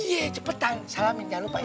iya cepetan salamin jangan lupa ya